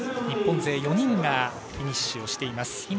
日本勢４人がフィニッシュをしています。